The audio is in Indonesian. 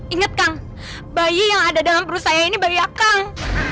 ingat kang bayi yang ada dalam perut saya ini bayi akang